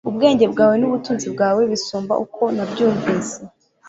ubwenge bwawe n'ubutunzi bwawe bisumba uko nabyumvise